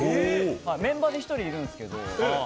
メンバーで１人いるんですけど。